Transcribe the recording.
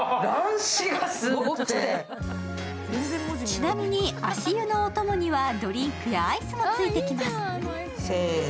ちなに足湯のお供にはドリンクやアイスもついてきます。